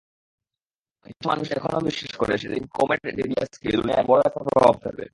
কিছু মানুষ এখনও বিশ্বাস করে সেদিন কমেট ডেবিয়্যাস্কি দুনিয়ায় বড় একটা প্রভাব ফেলবে!